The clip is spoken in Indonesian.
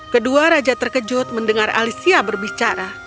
kedua raja terkejut mendengar alicia berbicara